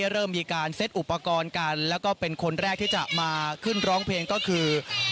เริ่มมีการเซ็ตอุปกรณ์กันแล้วก็เป็นคนแรกที่จะมาขึ้นร้องเพลงก็คือ